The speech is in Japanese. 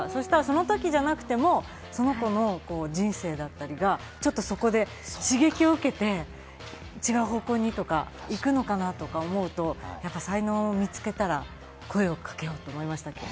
その時じゃなくてもその子の人生だったりが、ちょっとそこで刺激を受けて、違う方向にとか行くのかなと思うと才能を見つけたら声を掛けようと思いました。